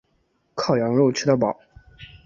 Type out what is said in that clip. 烤羊肉吃到饱